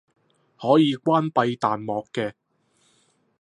可以關閉彈幕嘅